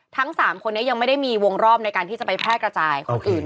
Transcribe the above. ทั้ง๓คนนี้ยังไม่ได้มีวงรอบในการที่จะไปแพร่กระจายคนอื่น